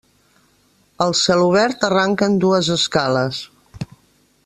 Al celobert arranquen dues escales.